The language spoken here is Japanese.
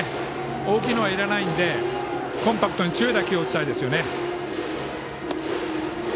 大きいのはいらないのでコンパクトに強い打球を打ちたいですよね。